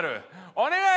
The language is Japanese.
お願い！